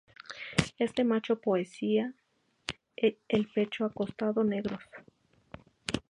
Este macho poseía el pecho y costados negros.